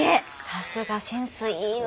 さすがセンスいいわ。